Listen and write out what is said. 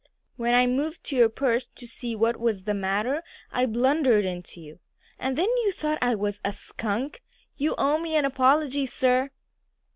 "When I moved to your perch to see what was the matter I blundered into you. And then you thought I was a skunk! You owe me an apology, sir!"